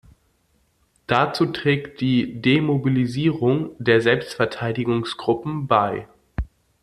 Dazu trägt die Demobilisierung der Selbstverteidigungsgruppen bei.